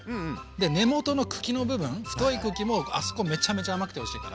で根元の茎の部分太い茎もあそこめちゃめちゃ甘くておいしいから。